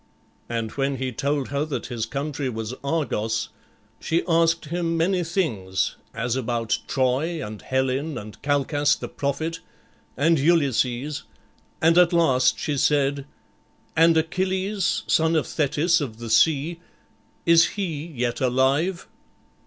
And when he told her that his country was Argos, she asked him many things, as about Troy, and Helen, and Calchas the prophet, and Ulysses; and at last she said, "And Achilles, son of Thetis of the sea, is he yet alive?"